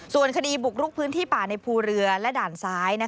ส่วนคดีบุกรุกพื้นที่ป่าในภูเรือและด่านซ้าย